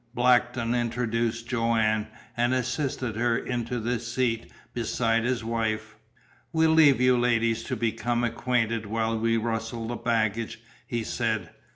Blackton introduced Joanne, and assisted her into the seat beside his wife. "We'll leave you ladies to become acquainted while we rustle the baggage," he said.